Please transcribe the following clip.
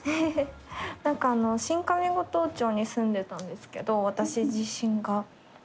何かあの新上五島町に住んでたんですけど私自身が。